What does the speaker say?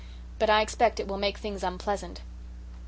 But I expect it will make things unpleasant."